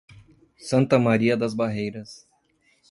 Santa Maria das Barreiras